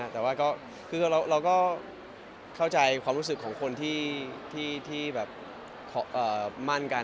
แต่เราก็เข้าใจความรู้สึกของคนที่มั่นกันแต่งงานกัน